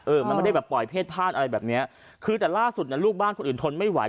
มันไม่ได้แบบปล่อยเพศพลาดอะไรแบบเนี้ยคือแต่ล่าสุดน่ะลูกบ้านคนอื่นทนไม่ไหว